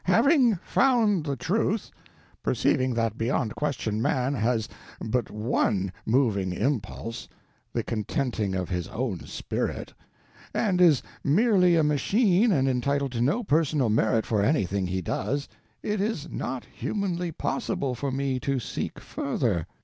Having found the Truth; perceiving that beyond question man has but one moving impulse—the contenting of his own spirit—and is merely a machine and entitled to no personal merit for anything he does, it is not humanly possible for me to seek further.